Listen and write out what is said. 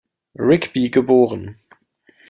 Rigby geboren.